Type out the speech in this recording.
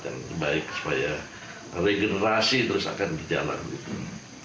dan baik supaya regenerasi terus akan dijalankan